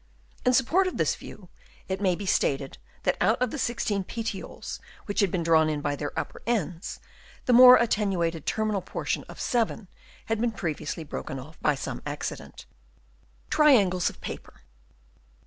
In support of this view, it may be stated that out of the 16 petioles which had been drawn in by their upper ends, the more attenuated terminal portion of 7 had been previously broken off by some accident. Chap. II. THEIR INTELLIGENCE. 85 Triangles of paper.